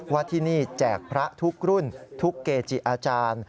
ว่าที่นี่แจกพระทุกรุ่นทุกเกจิอาจารย์